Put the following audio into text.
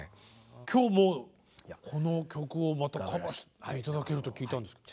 今日もこの曲をまたカバーして頂けると聞いたんですけど。